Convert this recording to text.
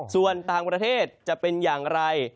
ส่วนต่างประเทศจะเป็นอย่างไร